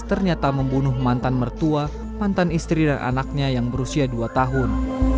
ternyata membunuh mantan mertua mantan istri dan anaknya yang berusia dua tahun